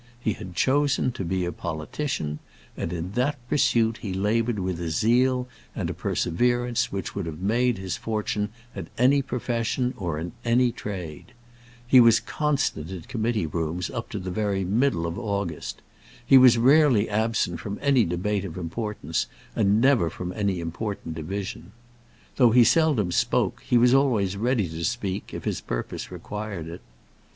He had chosen to be a politician, and in that pursuit he laboured with a zeal and perseverance which would have made his fortune at any profession or in any trade. He was constant in committee rooms up to the very middle of August. He was rarely absent from any debate of importance, and never from any important division. Though he seldom spoke, he was always ready to speak if his purpose required it.